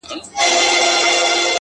دغه انسان بېشرفي په شرافت کوي.